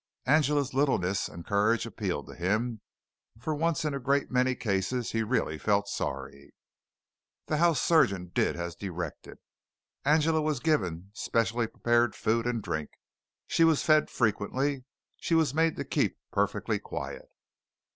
Angela's littleness and courage appealed to him. For once in a great many cases he really felt sorry. The house surgeon did as directed. Angela was given specially prepared food and drink. She was fed frequently. She was made to keep perfectly quiet.